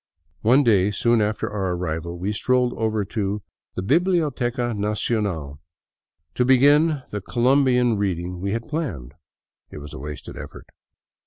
One day soon after our arrival we strolled over to the Bibiioteca Nacional to begin the Colombian reading we had planned. It was wasted effort.